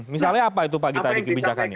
misalnya apa itu pak gita dikebijakannya